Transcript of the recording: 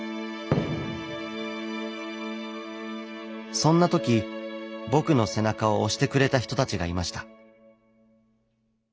そんな時僕の背中を押してくれた人たちがいました。